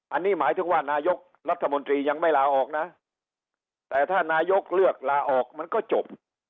อันนี้หมายถึงว่านายกรัฐมนตรียังไม่ลาออกนะแต่ถ้านายกเลือกลาออกมันก็จบ